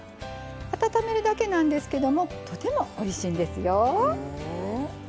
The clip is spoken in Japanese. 温めるだけなんですけどもとてもおいしいんですよ。